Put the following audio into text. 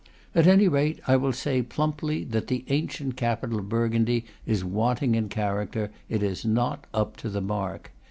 At any rate, I will say plumply that the ancient capital of Burgundy is want ing in character; it is not up to the mark.